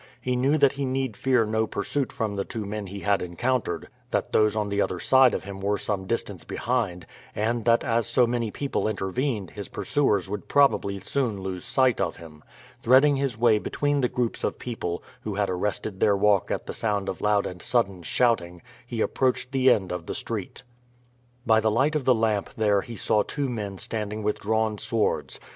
He knew that he need fear no pursuit from the two men he had encountered, that those on the other side of him were some distance behind, and that as so many people intervened his pursuers would probably soon lose sight of him. Threading his way between the groups of people, who had arrested their walk at the sound of loud and sudden shouting, he approached the end of the street. By the light of the lamp there he saw two men standing with drawn swords.